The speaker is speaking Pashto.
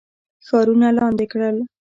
ښارونه لاندي کړل.